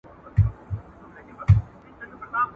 قومي مشرانو جرګې کولې.